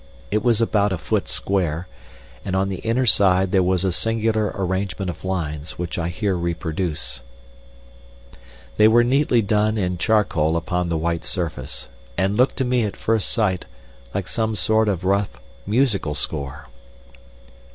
It was about a foot square, and on the inner side there was a singular arrangement of lines, which I here reproduce: They were neatly done in charcoal upon the white surface, and looked to me at first sight like some sort of rough musical score.